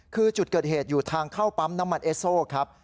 คือจุดเกิดเหตุอยู่ทางเข้าปั๊มน้ำมันเอสโซครับ